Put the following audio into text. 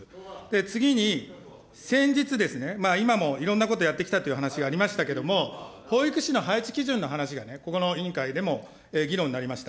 次に、先日ですね、今もいろんなことやってきたという話がありましたけれども、保育士の配置基準の話がね、ここの委員会でも議論になりました。